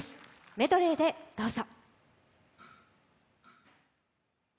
メドレーでどうぞ。